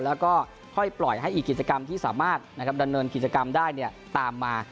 แล้วก็ค่อยปล่อยให้อีกกิจกรรมที่สามารถดำเนินกิจกรรมได้ตามมา